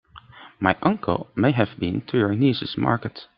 My uncle may have been to your niece's market.